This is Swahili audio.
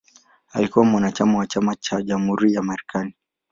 Alikuwa mwanachama wa Chama cha Jamhuri cha Marekani.